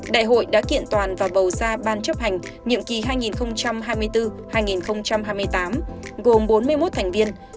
đại hội đã kiện toàn và bầu ra ban chấp hành nhiệm kỳ hai nghìn hai mươi bốn hai nghìn hai mươi tám gồm bốn mươi một thành viên